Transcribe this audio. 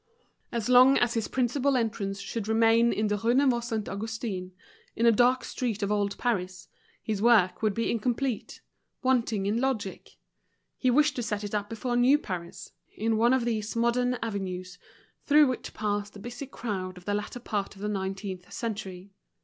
As long as his principal entrance should remain in the Rue Neuve Saint Augustin, in a dark street of old Paris, his work would be incomplete, wanting in logic. He wished to set it up before new Paris, in one of these modern avenues through which passed the busy crowd of the latter part of the nineteenth century.